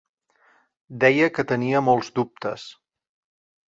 Deia que tenia molts dubtes.